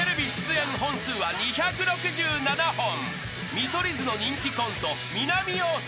［見取り図の人気コント］